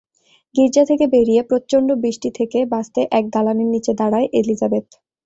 গির্জা থেকে বেরিয়ে প্রচন্ড বৃষ্টি থেকে বাঁচতে এক দালানের নিচে দাঁড়ায় এলিজাবেথ।